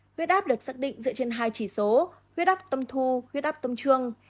nguyết áp được xác định dựa trên hai chỉ số nguyết áp tâm thu nguyết áp tâm trương